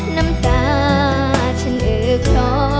น้ำตาฉันเออคลอ